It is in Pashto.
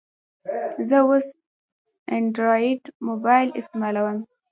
زه اوس انډرایډ موبایل استعمالوم.